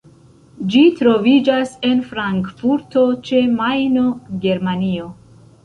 Ĝi troviĝas en Frankfurto ĉe Majno, Germanio.